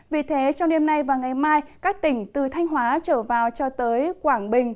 vì thế trong đêm nay và ngày mai các tỉnh từ thanh hóa trở vào cho tới quảng bình